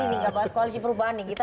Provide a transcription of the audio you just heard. nggak bahas koalisi perubahan nih